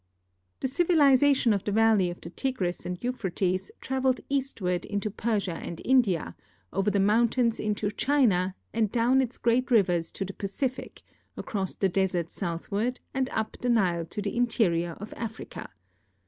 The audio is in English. The civilization of the valley of the Tigris and Euphrates traveled eastward into Persia and India, over the mountains into China, and down its great rivers to the Pacific, across the desert southward and up the Nile to the interior of Africa.